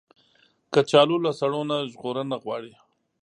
کچالو له سړو نه ژغورنه غواړي